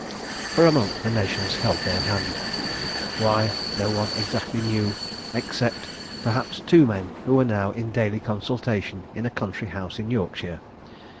For a month the nations held their hand, why, no one exactly knew, except, perhaps, two men who were now in daily consultation in a country house in Yorkshire.